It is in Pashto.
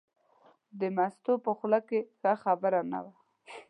د مستو په خوله کې ښه خبره نه وه.